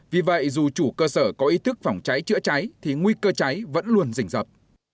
vì vậy dù chủ cơ sở có ý thức phòng trái chữa cháy thì nguy cơ cháy vẫn luôn dình dập